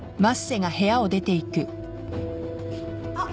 あっ。